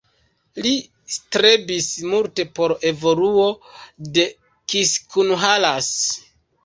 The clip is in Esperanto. Li strebis multe por evoluo de Kiskunhalas.